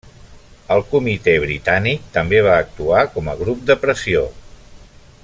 El Comitè Britànic també va actuar com a grup de pressió.